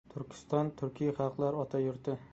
Turkiston — turkiy xalqlar ota yurti.